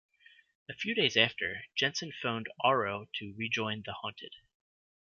A few days after, Jensen phoned Aro to rejoin The Haunted.